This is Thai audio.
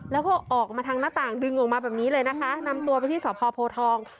แล้วก็ออกมาทางหน้าต่างดึงออกมาแบบนี้เลยนะคะนำตัวไปที่สพโพทอง